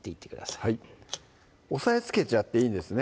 はい押さえつけちゃっていいんですね